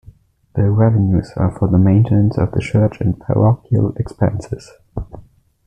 The revenues are for the maintenance of the church and parochial expenses.